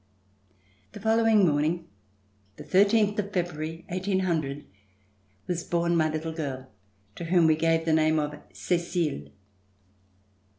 The following morning, the thirteenth of February, 1800, was born my little girl, to whom we gave the name of Cecile.